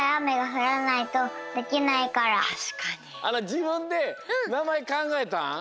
じぶんでなまえかんがえたん？